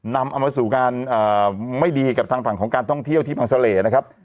นำเอามาสู่การไม่ดีกับทางฝั่งของการท่องเที่ยวที่พังเสล่นะครับ